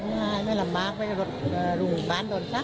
ไม่ลำบากรูบ้านโดนซัก